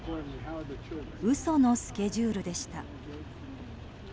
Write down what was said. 嘘のスケジュールでした。